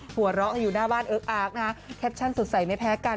หัวเราะอยู่หน้าบ้านเอิ๊กอาร์กนะฮะแคปชั่นสดใสไม่แพ้กัน